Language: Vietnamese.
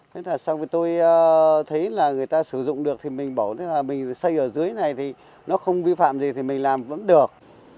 thế là sau khi tôi thấy là người ta sử dụng được thì mình bảo tức là mình xây ở dưới này thì nó không vi phạm gì thì mình làm vẫn được